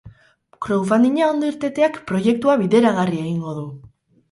Crowdfunding-a ondo irteteak proiektua bideragarri egingo du!